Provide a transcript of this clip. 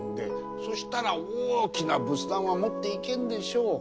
そしたら大きな仏壇は持っていけんでしょう。